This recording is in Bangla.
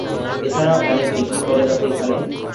এছাড়া অনেক ডিগ্রি কলেজ আছে এখানে।